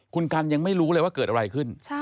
คุณกันยังไม่รู้เลยว่าเกิดอะไรขึ้น